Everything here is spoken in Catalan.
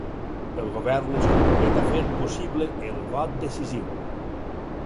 El govern es compromet a fer possible el vot decisiu.